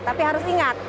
tapi harus ingat